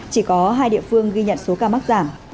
chỉ có hai địa phương ghi nhận số ca mắc giảm